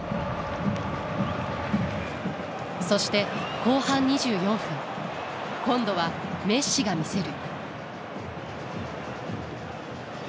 そして後半２４分今度はメッシが見せる。